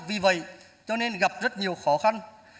vì vậy cho nên gặp rất nhiều khó khăn